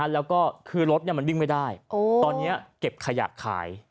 แล้วก็คือรถมันวิ่งไม่ได้ตอนนี้เก็บขยะขาย